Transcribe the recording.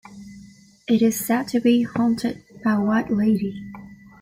It is said to be haunted by a 'White Lady'.